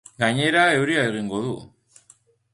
Gainera, euria egingo du.